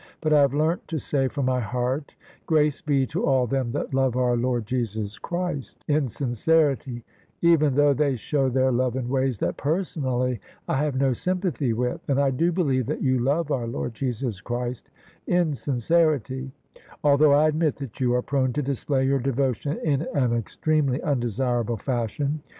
But I have learnt to say from my heart * Grace be to all them that love our Lord Jesus Christ in sincerity,' even though they show their love in ways that personally I have no sympathy with; and I do believe that you love our Lord Jesus Christ in sincerity, although I admit that you are prone to display your devotion in an extremely undesirable fashion.